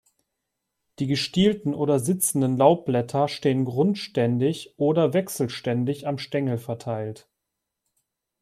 Die gestielten oder sitzenden Laubblätter stehen grundständig oder wechselständig am Stängel verteilt.